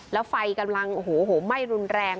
แล้วไฟกำลังโอ้โหไหม้รุนแรง